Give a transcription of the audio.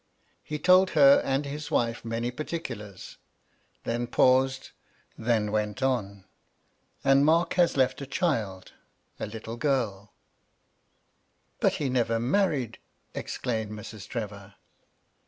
He told her and his wife many particulars — ^theii paused — ^then went on — "And Mark has left a child— a little girl "" But he never was married," exclaimed Mrs. Trevor.